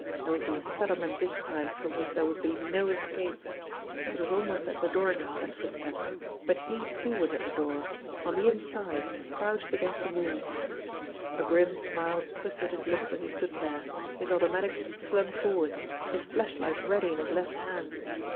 There would be a settle ment this time from which there would be no escape ! It was almost at the door now, that footstep; but he, too, was at the door on the inside, crouched against the wall. A grim smile twisted his lips as he stood there, his auto matic flung forward, his flashlight ready in his left hand.